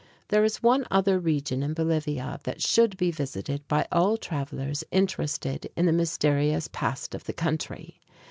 There is one other region in Bolivia that should be visited by all travelers interested in the mysterious past of the country.